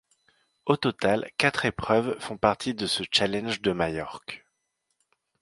Au total, quatre épreuves font partie de ce Challenge de Majorque.